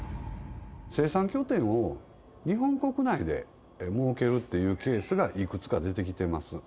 生産拠点を日本国内で設けるっていうケースがいくつか出てきてます。